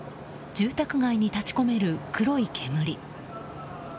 住宅街に立ち込める黒い煙。